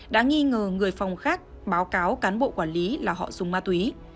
đã nghi ngờ người phòng khác báo cáo cán bộ quản lý là họ dùng ma túy